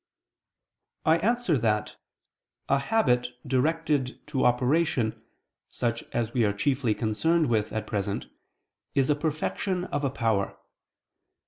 I answer that, A habit directed to operation, such as we are chiefly concerned with at present, is a perfection of a power.